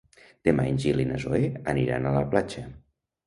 Demà en Gil i na Zoè aniran a la platja.